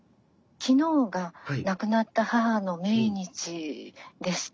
昨日が亡くなった母の命日でして。